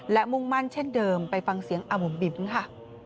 และมุ่งมั่นเช่นเดิมไปฟังเสียงอาบุ๋มบิ๋มค่ะ